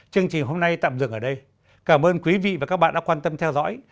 chương trình hôm nay tạm dừng ở đây cảm ơn quý vị và các bạn đã quan tâm theo dõi